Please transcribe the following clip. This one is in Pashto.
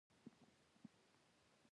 د یو بل حسادت مه کوه، بلکې ویاړ پرې وکړه.